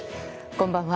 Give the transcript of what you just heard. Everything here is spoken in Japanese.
こんばんは。